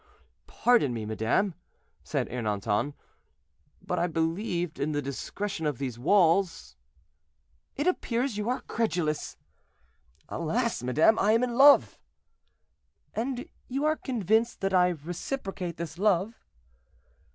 "Ah, pardon me, madame," said Ernanton, "but I believed in the discretion of these walls." "It appears you are credulous." "Alas! madame, I am in love." "And you are convinced that I reciprocate this love?"